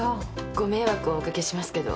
ご迷惑をおかけしますけど。